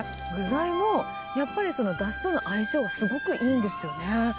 具材もやっぱりそのだしとの相性がすごくいいんですよね。